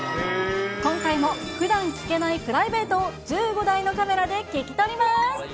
今回もふだん聞けないプライベートを１５台のカメラで聞き取ります。